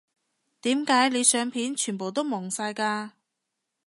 點解你相片全部都矇晒㗎